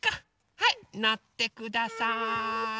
はいのってください。